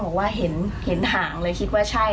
บอกว่าเห็นห่างเลยคิดว่าใช่